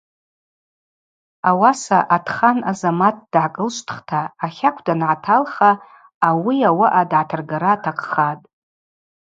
Ауаса Атхан Азамат дгӏакӏылшвтхта ахакв дангӏаталха ауи ауаъа дгӏатыргара атахъхатӏ.